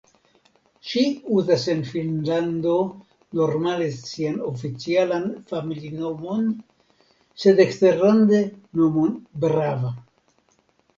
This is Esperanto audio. Ŝi uzas en Finnlando normale sian oficialan familinomon sed eksterlande nomon Brava.